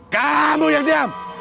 kamu yang diam